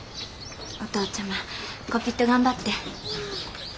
お父ちゃまこぴっと頑張って。